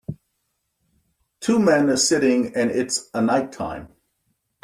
Two men are sitting and its a nighttime.